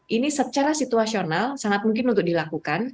ini secara situasional sangat mungkin untuk dilakukan